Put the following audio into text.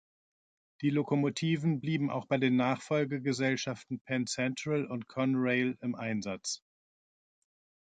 Die Lokomotiven blieben auch bei den Nachfolge-Gesellschaften Penn Central und Conrail im Einsatz.